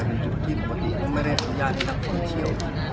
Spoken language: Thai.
เราไม่ว่าเราคล้ายรับกาย